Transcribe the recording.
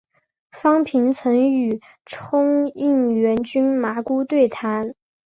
方平曾与冲应元君麻姑对谈。